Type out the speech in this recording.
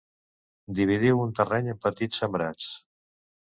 Dividiu un terreny en petits sembrats.